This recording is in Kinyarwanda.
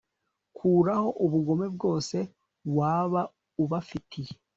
Kuraho ubugome bwose waba ubafitiye